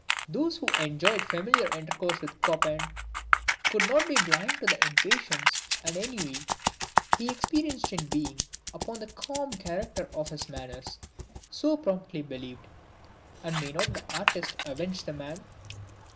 Those who enjoyed familiar intercourse with Chopin, could not be blind to the impatience and ennui he experienced in being, upon the calm character of his manners, so promptly believed. And may not the artist revenge the man?